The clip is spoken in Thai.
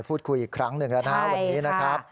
พูดคุยอีกครั้งหนึ่งแล้วนะครับวันนี้นะครับ